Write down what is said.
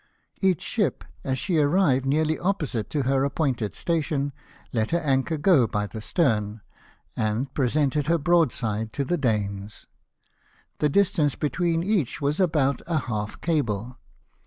Each ship, as she arrived nearly opposite to her appointed station, let her anchor go by the stern, and presented her broadside to the Danes. The distance between each was about a half cable.